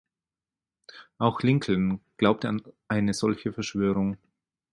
Auch Lincoln glaubte an eine solche Verschwörung.